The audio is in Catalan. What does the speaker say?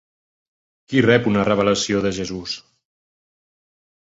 Qui rep una revelació de Jesús?